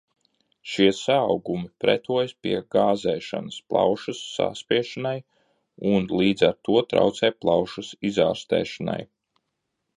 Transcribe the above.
Šie saaugumi pretojas pie gāzēšanas plaušas saspiešanai un līdz ar to traucē plaušas izārstēšanai.